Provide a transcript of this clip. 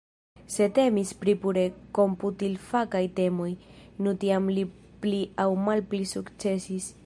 Se temis pri pure komputilfakaj temoj, nu tiam li pli aŭ malpli sukcesis.